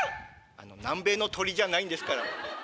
「あの南米の鳥じゃないんですから。